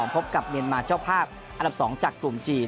พบกับเมียนมาเจ้าภาพอันดับ๒จากกลุ่มจีน